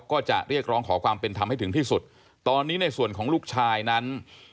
ก็จะเรียกร้องขอความเป็นธรรมให้ถึงที่สุดตอนนี้ในส่วนของลูกชายนั้น